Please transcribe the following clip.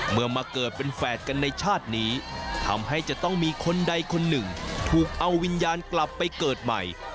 เมื่อมาเกิดเป็นแฝดกันในชาตินี้ทำให้จะต้องมีคนใดคนหนึ่งถูกเอาวิญญาณกลับไปเกิดใหม่